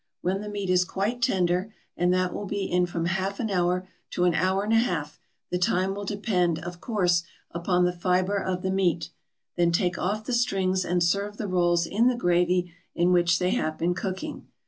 When the meat is quite tender and that will be in from half an hour to an hour and a half the time will depend, of course, upon the fibre of the meat, then take off the strings and serve the rolls in the gravy in which they have been cooking.